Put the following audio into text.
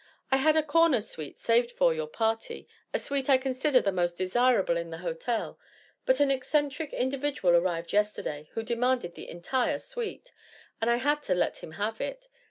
I had a corner suite saved for your party, a suite I consider the most desirable in the hotel; but an eccentric individual arrived yesterday who demanded the entire suite, and I had to let him have it.